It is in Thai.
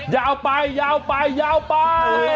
ยาวไปยาวไปยาวไป